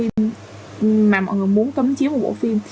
mà mọi người muốn cấm chiếu một bộ phim